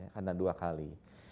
karena dua kali